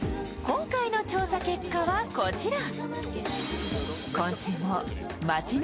今回の調査結果はこちら。